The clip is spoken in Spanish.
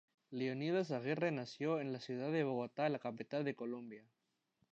Leonidas Aguirre nació en la ciudad de Bogotá, la capital de Colombia.